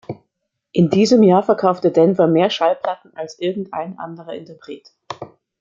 In diesem Jahr verkaufte Denver mehr Schallplatten als irgendein anderer Interpret.